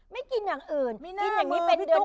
ไม่กินอย่างอื่นกินอย่างนี้เป็นเดือน